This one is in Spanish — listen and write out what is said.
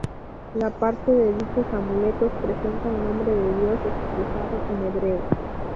Una parte de dichos amuletos presenta el nombre de Dios expresado en hebreo.